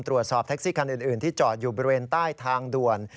ตรวจสอบแท็กซี่คันอื่นที่จอดอยู่บริเวณใต้ทางด่วน